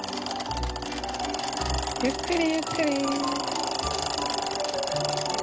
ゆっくりゆっくり。